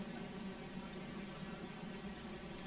deket nitema di bumi